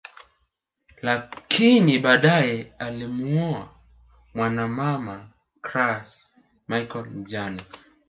Lakini badae alimuoa mwanamama Graca Michael mjane